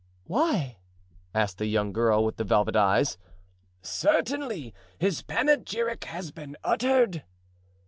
"Why?" asked the young girl with the velvet eyes. "Certainly; his panegyric has been uttered."